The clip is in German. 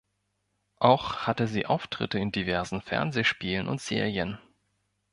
Auch hatte sie Auftritte in diversen Fernsehspielen und -serien.